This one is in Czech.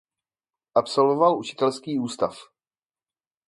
Absolvoval učitelský ústav.